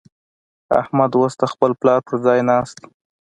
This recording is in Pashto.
احمد اوس د خپل پلار پر ځای ناست دی.